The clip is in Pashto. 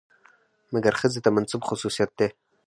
مکر ښځې ته منسوب خصوصيت دى.